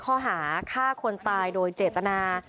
ข้อหาฆ่าคนตายโดยเจตนา